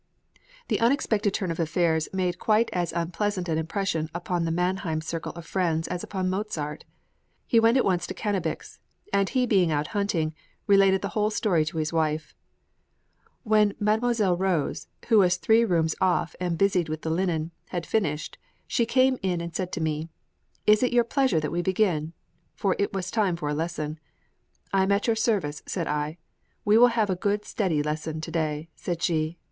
The unexpected turn of affairs made quite as unpleasant an impression upon the Mannheim circle of friends as upon Mozart. He went at once to Cannabich's, and he being out hunting, related the whole story to his wife: When Mdlle. Rose who was three rooms off and busied with the linen had finished, she came in and said to me, "Is it your pleasure that we begin?" for it was time for a lesson. "I am at your service," said I. "We will have a good steady lesson to day," said she.